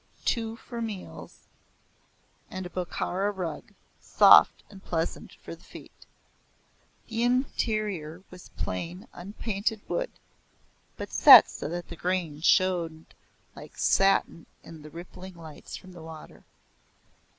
Two for meals, and a Bokhara rug, soft and pleasant for the feet. The interior was plain unpainted wood, but set so that the grain showed like satin in the rippling lights from the water.